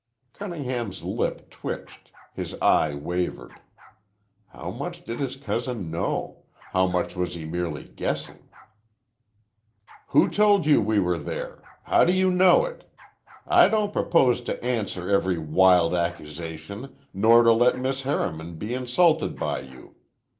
Cunningham's lip twitched, his eye wavered. How much did his cousin know? How much was he merely guessing? "Who told you we were there? How do you know it? I don't propose to answer every wild accusation nor to let Miss Harriman be insulted by you.